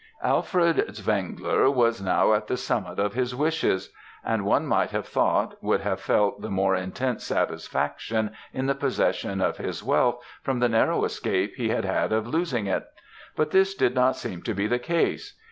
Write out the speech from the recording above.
"Alfred Zwengler was now at the summit of his wishes; and one might have thought, would have felt the more intense satisfaction, in the possession of his wealth, from the narrow escape he had had of losing it; but this did not seem to be the case.